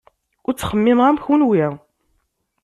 Ur ttxemmimeɣ am kunwi.